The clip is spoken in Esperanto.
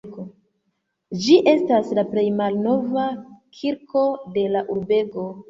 Ĝi estas la plej malnova kirko de la urbego.